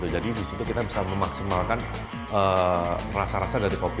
di situ kita bisa memaksimalkan rasa rasa dari kopi